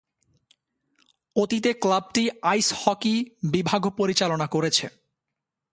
অতীতে ক্লাবটি ice hockey বিভাগও পরিচালনা করেছে।